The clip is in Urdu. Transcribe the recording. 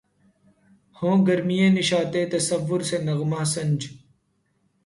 ہوں گرمیِ نشاطِ تصور سے نغمہ سنج